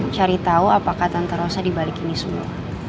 cari tahu apakah tante rosa dibalik ini semua